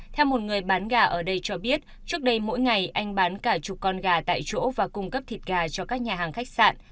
theo một người bán gà ở đây cho biết trước đây mỗi ngày anh bán cả chục con gà tại chỗ và cung cấp thịt gà cho các nhà hàng khách sạn